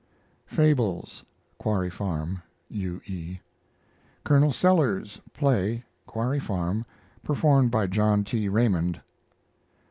FABLES (Quarry Farm). U. E. COLONEL SELLERS play (Quarry Farm) performed by John T. Raymond.